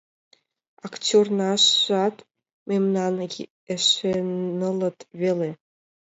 Актёрнажат мемнан эше нылыт веле.